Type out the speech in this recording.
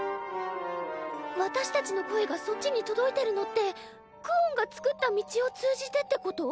私たちの声がそっちに届いてるのってクオンが作った道を通じてってこと？